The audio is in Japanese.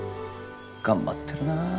頑張ってるな。